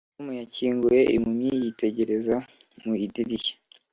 tom yakinguye impumyi yitegereza mu idirishya